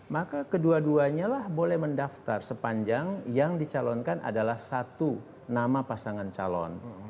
maka kedua duanya lah boleh mendaftar sepanjang yang dicalonkan adalah satu nama pasangan calon